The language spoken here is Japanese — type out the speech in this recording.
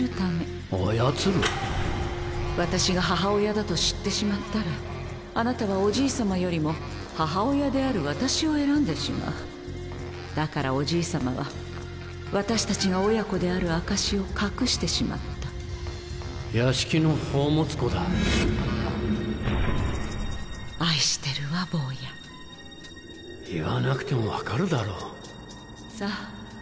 私が母親だと知ってしまったらあなたはおじいさまよりも母親である私を選んでしまうだからおじいさまは私たちが親子である証しを隠してしまった屋敷の宝物庫だ愛してるわ坊や言わなくても分かるだろさぁ